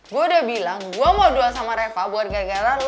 gue udah bilang gue mau doa sama reva buat gagalan lo nyuruhin aja